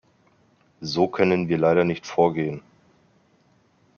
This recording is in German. So können wir leider nicht vorgehen!